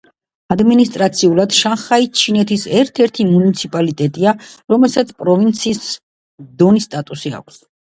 ადმინისტრაციულად შანხაი ჩინეთის ერთ-ერთი მუნიციპალიტეტია, რომელსაც პროვინციის დონის სტატუსი აქვს.